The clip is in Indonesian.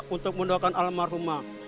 untuk mendoakan almarhumah